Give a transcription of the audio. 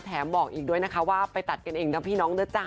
บอกอีกด้วยนะคะว่าไปตัดกันเองนะพี่น้องนะจ๊